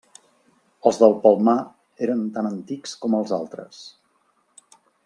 Els del Palmar eren tan antics com els altres.